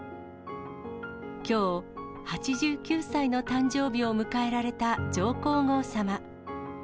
きょう、８９歳の誕生日を迎えられた上皇后さま。